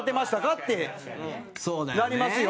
ってなりますよ。